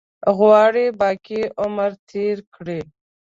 غواړي باقي عمر تېر کړي.